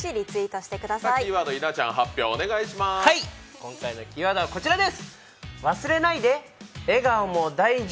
今回のキーワードはこちらです。